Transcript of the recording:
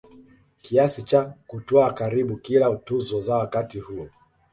kiasi cha kutwaa karibu kila tuzo za wakati huo